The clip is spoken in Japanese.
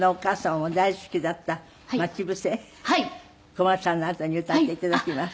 コマーシャルのあとに歌って頂きます。